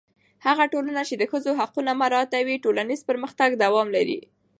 هغه ټولنه چې د ښځو حقونه مراعتوي، ټولنیز پرمختګ دوام لري.